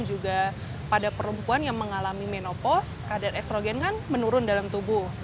juga pada perempuan yang mengalami menopos kadar estrogen kan menurun dalam tubuh